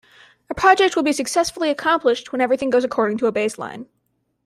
A project will be successfully accomplished when everything goes according to a baseline.